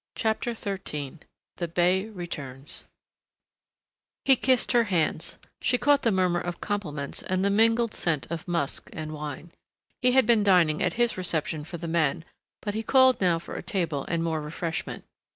CHAPTER XIII THE BEY RETURNS He kissed her hands. She caught the murmur of compliments and the mingled scent of musk and wine. He had been dining at his reception for the men, but he called now for a table and more refreshment.